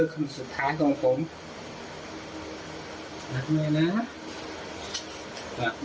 อ่ะทำไมเอ็งคิดว่าเอ็งจะไม่ได้ช่วยงานสวบมันล่ะ